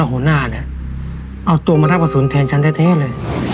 แต่เวลาเป็นโครงหน้านะ